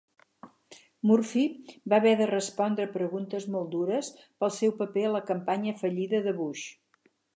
Murphy va haver de respondre preguntes molt dures pel seu paper a la campanya fallida de Bush.